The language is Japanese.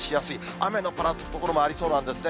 雨のぱらつく所もありそうなんですね。